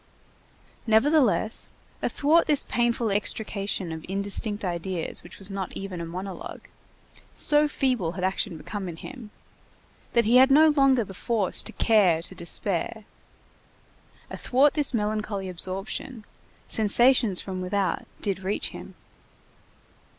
Nevertheless, athwart this painful extrication of indistinct ideas which was not even a monologue, so feeble had action become in him, and he had no longer the force to care to despair, athwart this melancholy absorption, sensations from without did reach him.